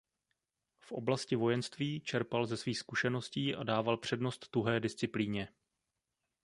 V oblasti vojenství čerpal ze svých zkušeností a dával přednost tuhé disciplíně.